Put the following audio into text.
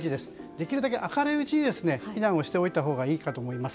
できるだけ明るいうちに避難しておいたほうがいいかと思います。